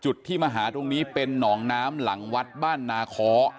จุดที่มาหาตรงนี้เป็นหนองน้ำหลังวัดบ้านนาคอ